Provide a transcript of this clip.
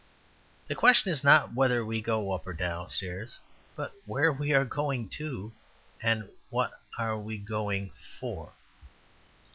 The question is not whether we go up or down stairs, but where we are going to, and what we are going, for?